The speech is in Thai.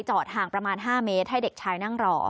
ห่างประมาณ๕เมตรให้เด็กชายนั่งรอ